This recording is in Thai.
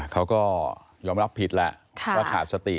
เขาก็ยอมรับผิดแหละว่าขาดสติ